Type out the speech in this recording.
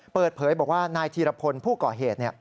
เปิดเผยบอกว่านายธีรพลผู้ก่อเหตุ